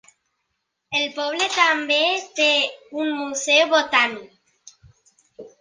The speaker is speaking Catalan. El poble també té un museu botànic.